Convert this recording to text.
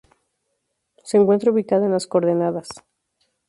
Se encuentra ubicada en las coordenadas